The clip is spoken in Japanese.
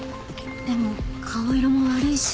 でも顔色も悪いし。